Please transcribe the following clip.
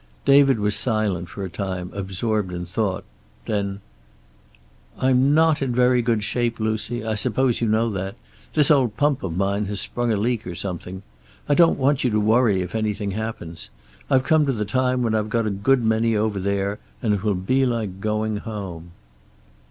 David was silent for a time, absorbed in thought. Then: "I'm not in very good shape, Lucy. I suppose you know that. This old pump of mine has sprung a leak or something. I don't want you to worry if anything happens. I've come to the time when I've got a good many over there, and it will be like going home."